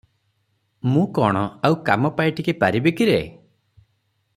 ମୁଁ କଣ ଆଉ କାମ ପାଇଟିକି ପାରିବିକିରେ?